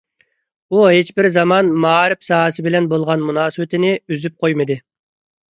ئۇ ھېچبىر زامان مائارىپ ساھەسى بىلەن بولغان مۇناسىۋىتىنى ئۈزۈپ قويمىدى.